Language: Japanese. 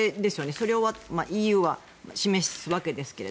それをＥＵは示すわけですけど。